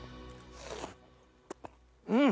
うん！